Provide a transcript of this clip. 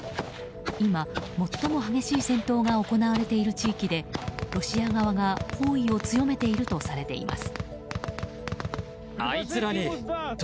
今、最も激しい戦闘が行われている地域でロシア側が包囲を強めているとされています。